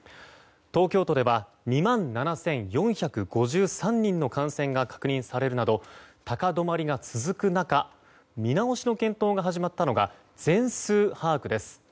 東京都では２万７４５３人の感染が確認されるなど高止まりが続く中見直しの検討が始まったのが全数把握です。